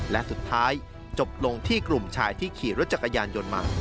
และสุดท้ายจบลงที่กลุ่มชายที่ขี่รถจักรยานยนต์มา